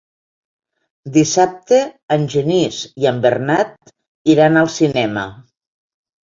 Dissabte en Genís i en Bernat iran al cinema.